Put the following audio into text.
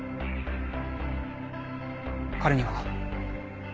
彼には。